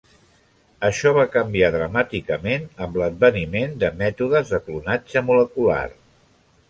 Això va canviar dramàticament amb l'adveniment de mètodes de clonatge molecular.